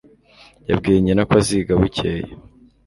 yabwiye nyina ko aziga bukeye